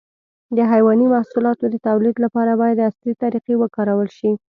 د حيواني محصولاتو د تولید لپاره باید عصري طریقې وکارول شي.